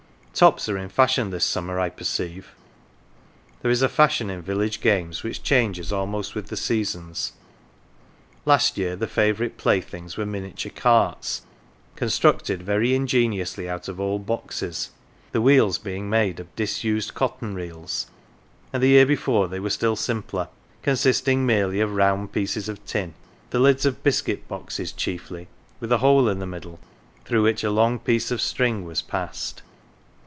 Tops are in fashion this summer, I perceive. There is a fashion in village games which changes almost with the seasons ; last year the favourite playthings were miniature carts, THORN LEIGH constructed very ingeniously out of old boxes, the wheels being made of disused cotton reels; and the year before they were still simpler, consisting merely of round pieces of tin the lids of biscuit boxes chiefly with a hole in the middle, through which a long piece of string was passed.